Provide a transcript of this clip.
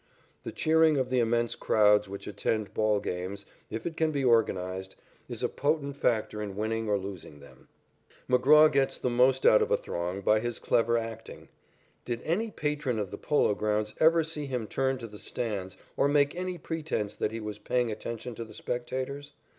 The cheering of the immense crowds which attend ball games, if it can be organized, is a potent factor in winning or losing them. McGraw gets the most out of a throng by his clever acting. Did any patron of the Polo Grounds ever see him turn to the stands or make any pretence that he was paying attention to the spectators?